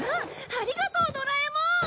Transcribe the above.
ありがとうドラえもん！